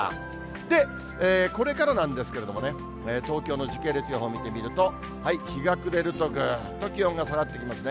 で、これからなんですけれどもね、東京の時系列予報を見てみると、日が暮れると、ぐーっと気温が下がってきますね。